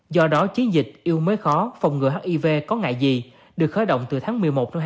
do đó chiến dịch yêu mới khó phòng ngừa hiv có ngại gì được khởi động từ tháng một mươi một hai nghìn hai mươi một